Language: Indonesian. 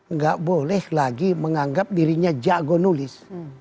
nggak boleh lagi menganggap dirinya jago nulis